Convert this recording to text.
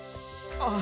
ああ！